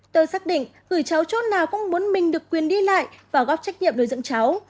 tôi xác định gửi cháu chốt nào cũng muốn mình được quyền đi lại và góp trách nhiệm đối dựng cháu